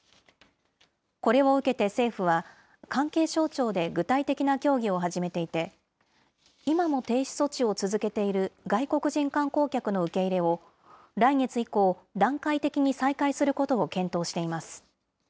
これを受けて政府は、関係省庁で具体的な協議を始めていて、今も停止措置を続けている外国人観光客の受け入れを、来月以降、段階的に再開することを検討しています。